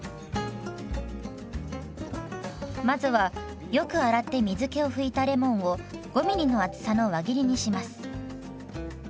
まずはよく洗って水けを拭いたレモンを５ミリの厚さの輪切りにします。